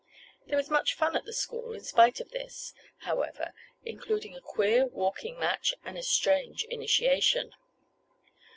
There was much fun at the school, in spite of this, however including a queer walking match and a strange initiation.